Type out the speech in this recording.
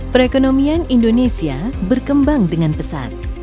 perekonomian indonesia berkembang dengan pesat